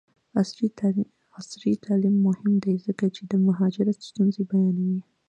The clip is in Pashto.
عصري تعلیم مهم دی ځکه چې د مهاجرت ستونزې بیانوي.